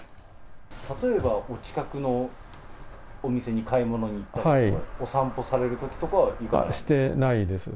例えばお近くのお店に買い物に行ったりとか、お散歩されるときとかはいかがですか？